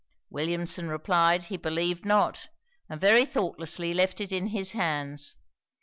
Williamson replied, he believed not; and very thoughtlessly left it in his hands.